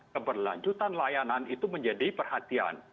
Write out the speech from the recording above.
keberlanjutan layanan itu menjadi perhatian